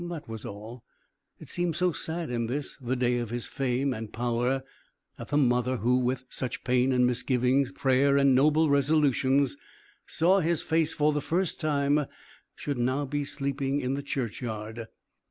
That was all. It seems so sad in this, the day of his fame and power, that the mother who, with such pain and misgiving, prayer and noble resolutions, saw his face for the first time should now be sleeping in the church yard.